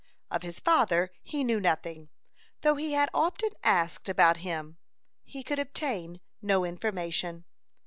Of his father he knew nothing. Though he had often asked about him, he could obtain no information.